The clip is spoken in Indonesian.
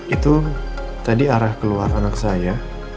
itu tadi arah keluar anak saya